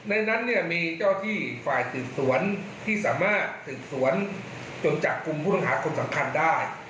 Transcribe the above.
นั้นเนี่ยมีเจ้าที่ฝ่ายสืบสวนที่สามารถสืบสวนจนจับกลุ่มผู้ต้องหาคนสำคัญได้